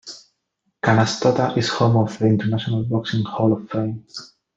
Canastota is home of the International Boxing Hall of Fame.